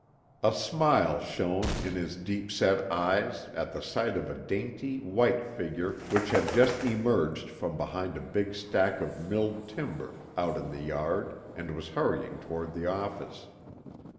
A smile shone in his deep set eyes at the sight of a dainty, white figure which had just emerged from behind a big stack of milled timber out in the yard and was hurrying toward the office.